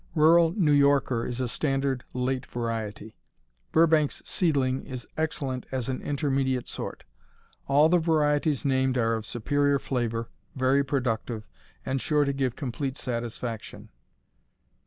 Rural New Yorker is a standard late variety. Burbank's Seedling is excellent as an intermediate sort. All the varieties named are of superior flavor, very productive, and sure to give complete satisfaction.